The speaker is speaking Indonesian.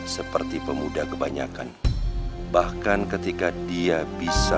seperti pemuda kebanyakan bahkan ketika dia bisa